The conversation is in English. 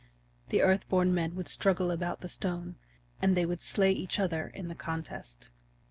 The Earth born Men would struggle about the stone, and they would slay each other in the contest.